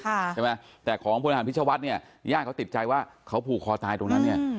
ใช่ไหมแต่ของพลทหารพิชวัฒน์เนี่ยญาติเขาติดใจว่าเขาผูกคอตายตรงนั้นเนี่ย